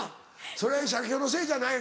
それ写経のせいじゃないよ